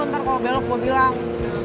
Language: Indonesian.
nanti kalau belok gue bilang